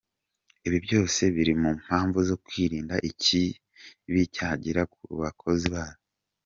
Ibi byose biri mu mpamvu zo kwirinda ikibi cyagera ku bakozi bacu.